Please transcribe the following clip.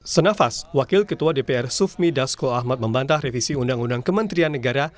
senafas wakil ketua dpr sufmi dasko ahmad membantah revisi undang undang kementerian negara